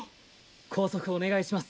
拘束お願いします。